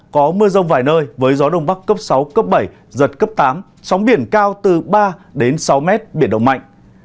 có mưa rông vài nơi với gió đông bắc cấp sáu cấp bảy giật cấp tám sóng biển cao từ ba đến sáu mét biển động mạnh